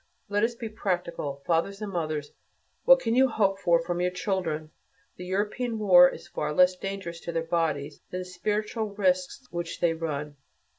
Let us be practical. Fathers and mothers, what can you hope for from your children? The European war is far less dangerous to their bodies than the spiritual risks which they run.